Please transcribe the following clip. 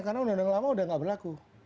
karena undang undang lama udah gak berlaku